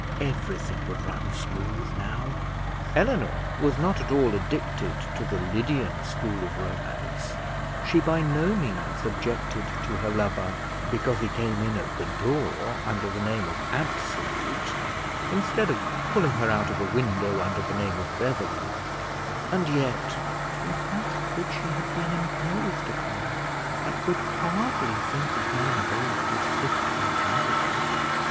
Everything would run smooth now. Eleanor was not at all addicted to the Lydian school of romance; she by no means objected to her lover because he came in at the door under the name of Absolute, instead of pulling her out of a window under the name of Beverley; and yet she felt that she had been imposed upon, and could hardly think of Mary Bold with sisterly charity.